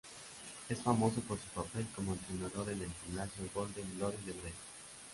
Es famoso por su papel como entrenador en el gimnasio Golden Glory de Breda.